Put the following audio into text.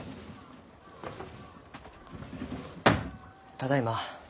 ただいま。